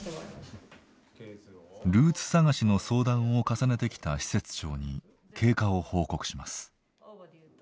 ルーツ探しの相談を重ねてきた施設長に経過を報告します。